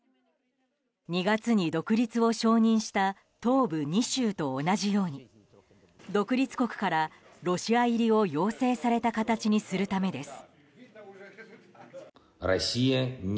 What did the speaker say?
２月に独立を承認した東部２州と同じように独立国からロシア入りを要請された形にするためです。